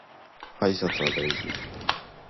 挨拶は大事